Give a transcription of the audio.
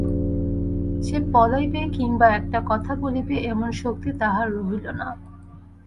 সে পলাইবে কিম্বা একটা কথা বলিবে এমন শক্তি তার রহিল না।